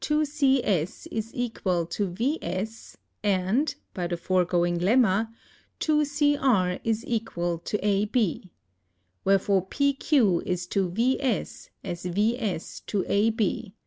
Also 2CS is equal to VS & (by the foregoing Lemma) 2CR is equal to AB. Wherefore PQ is to VS as VS to AB.